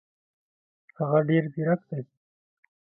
هغه ډېر زیرک دی.